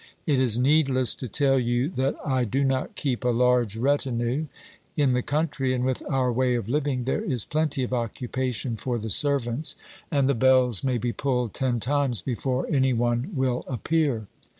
It is needless to tell you that I do not keep a large retinue. In the country, and with our way of living, there is plenty of occupation for the servants, and the bells may be pulled ten times before any one will appear.